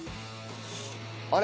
あれ？